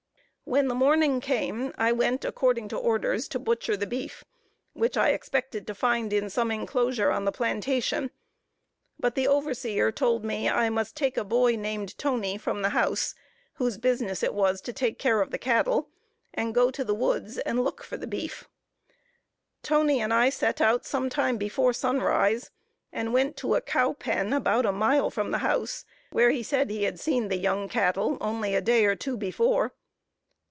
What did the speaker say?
When the morning came, I went, according to orders, to butcher the beef, which I expected to find in some enclosure on the plantation; but the overseer told me I must take a boy named Toney from the house, whose business it was to take care of the cattle, and go to the woods and look for the beef. Toney and I set out sometime before sunrise, and went to a cow pen, about a mile from the house, where he said he had seen the young cattle only a day or two before.